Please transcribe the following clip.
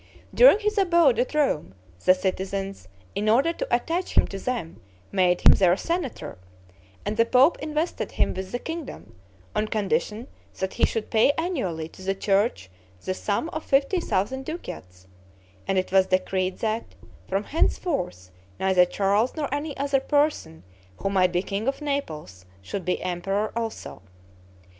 During his abode at Rome, the citizens, in order to attach him to them, made him their senator, and the pope invested him with the kingdom, on condition that he should pay annually to the church the sum of fifty thousand ducats; and it was decreed that, from thenceforth, neither Charles nor any other person, who might be king of Naples, should be emperor also.